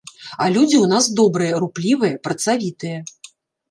А людзі ў нас добрыя, руплівыя, працавітыя.